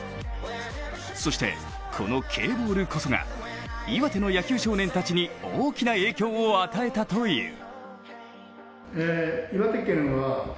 そしてこのＫボールこそが岩手の野球少年たちに大きな影響を与えたという。